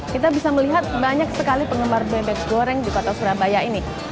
kita bisa melihat banyak sekali penggemar bebek goreng di kota surabaya ini